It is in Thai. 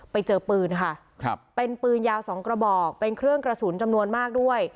ไปเจอปืนค่ะครับเป็นปืนยาว๒กระบอกเป็นเครื่องกระสุนจำนวนมากด้วย